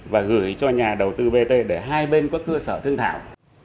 và gửi cho nhà đầu tư bt để hai bên có cơ sở thương thảo